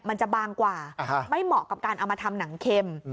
มันจะบางกว่าไม่เหมาะกับการเอามาทำหนังเค็ม